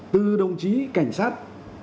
từ đồng chí cảnh sát